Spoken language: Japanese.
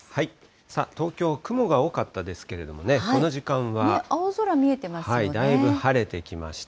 さあ、東京は雲が多かったですけれどもね、この時間は。だいぶ晴れてきました。